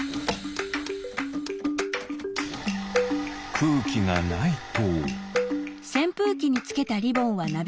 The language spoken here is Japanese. くうきがないと。